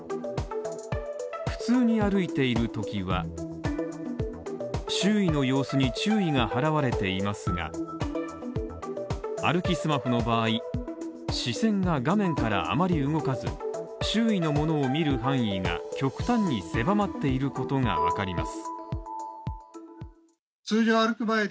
普通に歩いているときは周囲の様子に注意が払われていますが、歩きスマホの場合、視線が画面からあまり動かず、周囲のものを見る範囲が極端に狭まっていることがわかります。